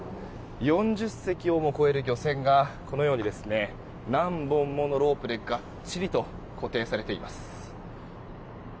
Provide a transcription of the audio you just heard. ４０隻を超える漁船がこのように何本ものロープでがっちりと固定されています。